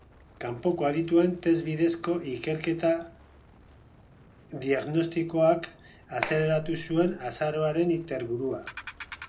Kanpoko adituen test bidezko ikerketaketa disgnostikoak azaleratu zuen arazoaren iturburua eta jarraitubeharreko bidea.